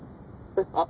えっ？